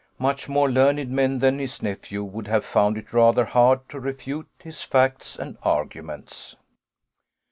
Much more learned men than his nephew would have found it rather hard to refute his facts and arguments.